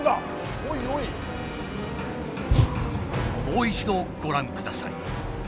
もう一度ご覧ください。